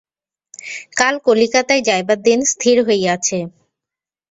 কাল কলিকাতায় যাইবার দিন স্থির হইয়াছে।